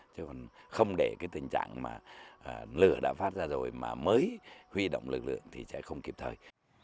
chứ còn không để cái tình trạng mà lửa đã phát ra rồi mà mới huy động lực lượng thì sẽ không kịp thời